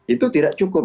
itu tidak cukup